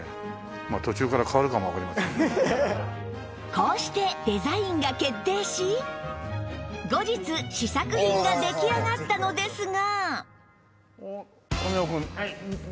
こうしてデザインが決定し後日試作品が出来上がったのですが